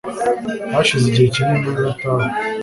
hashize igihe kini ntataha